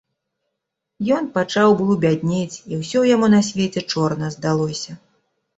Ён пачаў быў бяднець, і ўсё яму на свеце чорна здалося.